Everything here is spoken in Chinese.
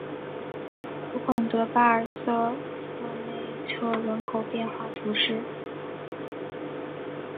福孔德巴尔瑟洛内特人口变化图示